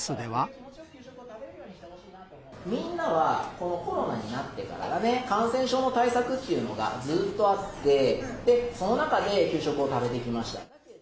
みんなは、このコロナになってから、感染症の対策っていうのがずっとあって、その中で給食を食べてきました。